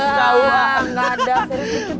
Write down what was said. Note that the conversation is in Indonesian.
ga ga ada seriusan dikit